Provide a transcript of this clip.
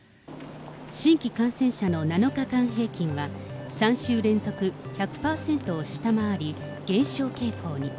新規感染者の７日間平均は、３週連続１００％を下回り、減少傾向に。